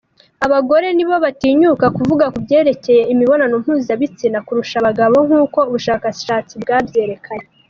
Abagore nibo batinyuka kuvuga ku byerekeye imibonano mpuzabitsina kurusha abagabo nk’uko ubushakashatsi bwabyerekanye.